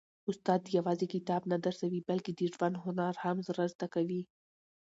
استاد یوازي کتاب نه درسوي، بلکي د ژوند هنر هم را زده کوي.